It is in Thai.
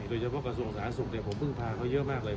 โดยเฉพาะกระทรวงสาธารณสุขเด็กผมพึ่งพาก็เยอะมากเลย